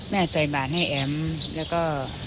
ใส่บาทให้แอ๋มแล้วก็